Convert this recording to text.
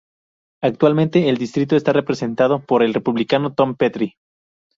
Actualmente el distrito está representado por el Republicano Tom Petri.